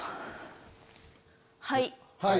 はい！